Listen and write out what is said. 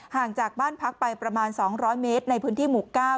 ห่างจากบ้านพักไปประมาณ๒๐๐เมตรในพื้นที่หมู่๙